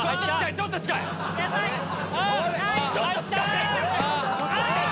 ちょっと近い‼あ！